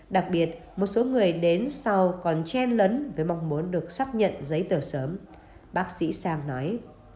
đặc biệt một số người đến sau còn chen lấn với mong muốn được xác nhận giấy tờ sớm bác sĩ sang nói